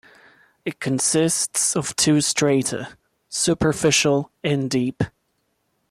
It consists of two strata, superficial and deep.